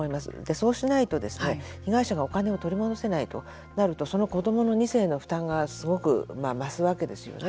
そうしないと被害者がお金を取り戻せないとなるとその子どもの２世の負担がすごく増すわけですよね。